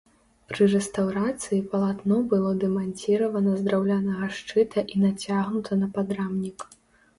Пры рэстаўрацыі палатно было дэманціравана з драўлянага шчыта і нацягнута на падрамнік.